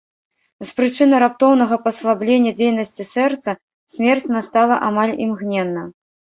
З прычыны раптоўнага паслаблення дзейнасці сэрца смерць настала амаль імгненна.